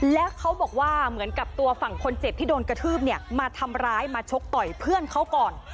แล้วเขาบอกว่าเหมือนกับตัวฝั่งคนเจ็บที่โดนกระทืบเนี่ยมาทำร้ายมาชกต่อยเพื่อนเขาก่อน